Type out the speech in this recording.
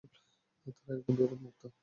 তারা একদম বিপদমুক্ত।